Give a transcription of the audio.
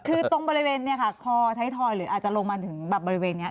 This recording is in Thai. คือตรงบริเวณคอไทยทอยหรืออาจจะลงมาถึงบริเวณนี้